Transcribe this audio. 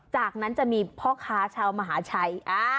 จากนั้นจะมีพ่อค้าชาวมหาชัย